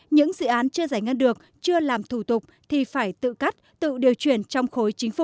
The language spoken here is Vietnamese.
những dự án chưa giải ngân được chưa làm thủ tục thì phải tự cắt tự điều chuyển trong khối chính phủ